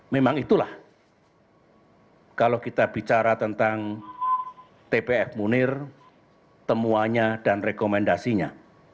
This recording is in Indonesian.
memang itulah kalau kita bicara tentang tpf munir temuannya dan rekomendasinya